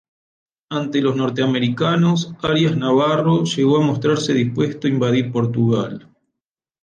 Ante los norteamericanos, Arias Navarro llegó a mostrarse dispuesto a invadir Portugal.